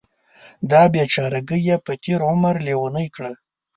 دا بیچارګۍ یې په تېر عمر لیونۍ کړه.